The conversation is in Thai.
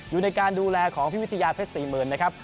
อยู่ในการดูแลของพี่วิทยาเพชร๔๐๐๐นะครับ